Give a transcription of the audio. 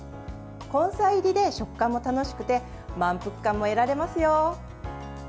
根菜入りで、食感も楽しくて満腹感も得られますよ。